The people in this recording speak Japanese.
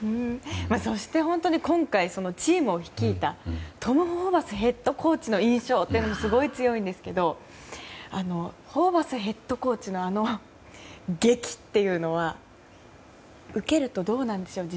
そして今回、チームを率いたトム・ホーバスヘッドコーチの印象もすごい強いんですけどホーバスヘッドコーチの檄というのは受けるとどうなんでしょう？